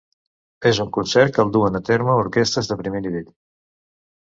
És un concert que el duen a terme orquestres de primer nivell.